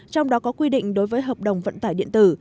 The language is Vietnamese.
trong đó có quy định đối với hợp đồng vận tải điện tử